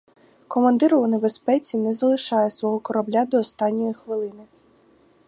Командир у небезпеці не залишає свого корабля до останньої хвилини.